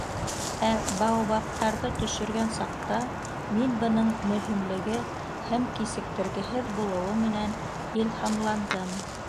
Ә баобабтаҙы төшөргән саҡта, мин бының мөһимлеге һәм кисектергеһеҙ булыуы менән илһамландым.